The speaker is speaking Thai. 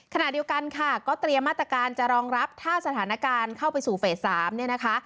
ขณะเดียวกันค่ะก็เตรียมมาตรการจะรองรับถ้าสถานการณ์เข้าไปสู่เฟส๓เนี่ยนะคะ